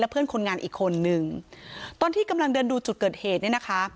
เพื่อนคนงานอีกคนนึงตอนที่กำลังเดินดูจุดเกิดเหตุเนี่ยนะคะ